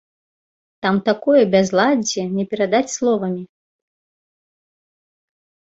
Там такое бязладдзе, не перадаць словамі!